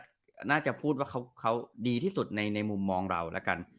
น่าจะพูดว่าเขาดีที่สุดในมุมมองเราแล้วกัน